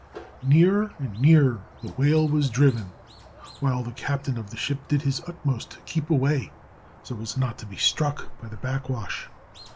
Nearer and nearer the whale was driven, while the captain of the ship did his utmost to keep away so as not to be struck by the backwash.